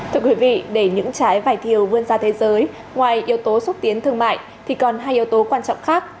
thưa quý vị để những trái vải thiều vươn ra thế giới ngoài yếu tố xúc tiến thương mại thì còn hai yếu tố quan trọng khác